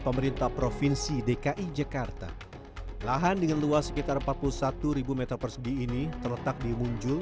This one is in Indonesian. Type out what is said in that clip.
pemerintah provinsi dki jakarta lahan dengan luas sekitar empat puluh satu ribu meter persegi ini terletak di munjul